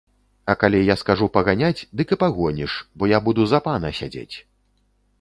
А калі я скажу паганяць, дык і пагоніш, бо я буду за пана сядзець!